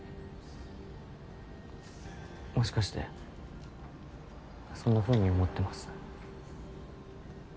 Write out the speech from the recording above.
もしかしてそんなふうに思ってます？